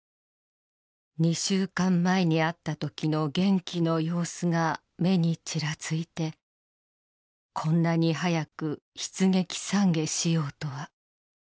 ２週間前に会ったときの元気な様子が目にちらついて、こんなに早く出撃散華しようとは。